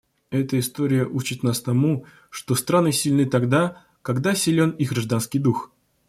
Эта история учит нас тому, что страны сильны тогда, когда силен их гражданский дух.